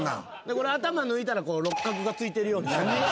これ頭抜いたら六角がついてるように。